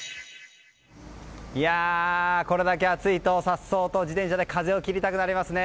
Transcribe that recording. これだけ暑いと颯爽と自転車で風を切りたくなりますね。